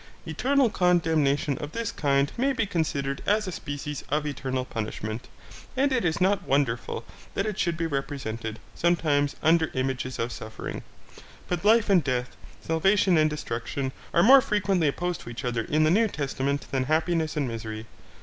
Eternal condemnation of this kind may be considered as a species of eternal punishment, and it is not wonderful that it should be represented, sometimes, under images of suffering. But life and death, salvation and destruction, are more frequently opposed to each other in the New Testament than happiness and misery.